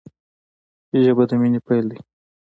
ژبه د مینې پیل دی